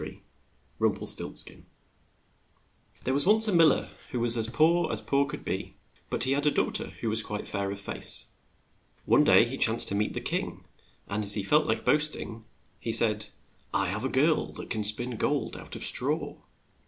115 RUMPELSTILTSKIN THERE was once a mil ler who was as poor as poor could be, but he had a daugh ter who was quite fair of face, One day he chanced to meet the king, and as he felt like boas ting, he said, "I have a girl that can spin gold out of straw.